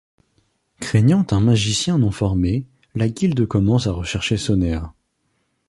Craignant un magicien non formé, la Guilde commence à rechercher Sonea.